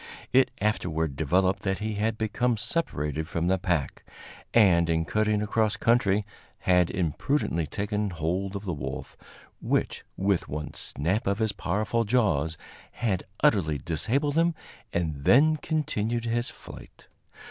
It afterward developed that he had become separated from the pack, and, in cutting across country, had imprudently taken hold of the wolf, which, with one snap of his powerful jaws, had utterly disabled him, and then continued his flight.